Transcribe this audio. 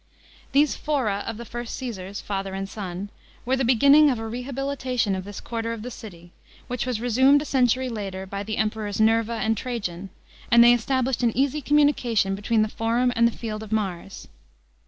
These fora of the first Caesars, father and son, were the beginning of a rehabilitation of this quarter of the city, wliich was resumed, a century later, by the Emperors Nerva and Trajan; and they 144 ROME UNDER AUGUSTUS. CHAP. established an easy communication between the Forum and the Field of Mars.